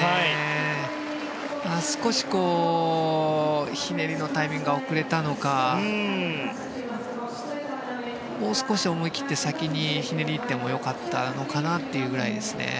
少しひねりのタイミングが遅れたのかもう少し思い切って先にひねってもよかったのかなというぐらいですね。